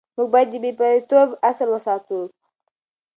موږ باید د بې پرېتوب اصل وساتو.